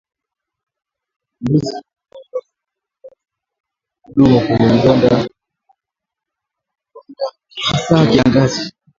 Virusi vya ugonjwa huu vinaweza kudumu kwenye vidonda hivyo kwa muda mrefu hasa kiangazi